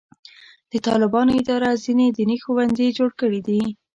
د طالبانو اداره ځینې دیني ښوونځي جوړ کړي دي.